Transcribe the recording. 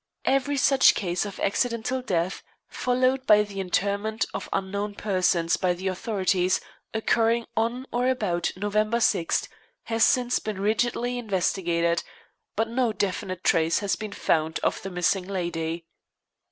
Every such case of accidental death followed by the interment of unknown persons by the authorities, occurring on or about November 6th, has since been rigidly investigated, but no definite trace has been found of the missing lady.